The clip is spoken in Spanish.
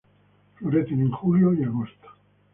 Florecen en julio y agosto.